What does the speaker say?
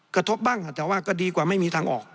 กระทบบ้างแต่ว่าก็ดีกว่าไม่มีทางออก